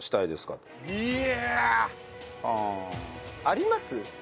あります？